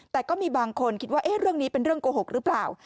แต่ก็มีบางคนคิดว่าเรื่องนี้เป็นเรื่องโกหกหรือเปล่า